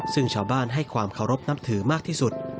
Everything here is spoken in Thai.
ซึ่งชาวบ้านให้ความเคารพนับถือมากที่สุด